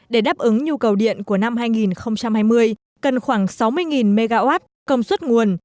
để đáp ứng nhu cầu điện của năm hai nghìn hai mươi cần khoảng sáu mươi mw công suất nguồn